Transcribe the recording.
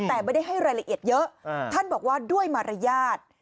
แต่ไม่ได้ให้รายละเอียดเยอะท่านบอกว่าด้วยมารยาท